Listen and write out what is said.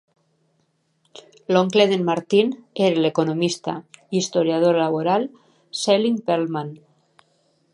L'oncle d'en Martin era l'economista i historiador laboral Selig Perlman.